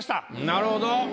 なるほど。